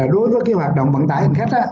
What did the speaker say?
đối với hoạt động vận tải hành khách